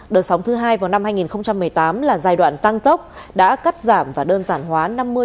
đợt sóng thứ hai vào năm hai nghìn một mươi tám là giai đoạn tăng tốc đã cắt giảm và đơn giản hóa năm mươi